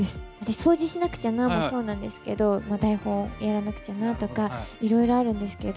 掃除しなくちゃなもそうなんですけど、台本やらなくちゃなとか、いろいろあるんですけど。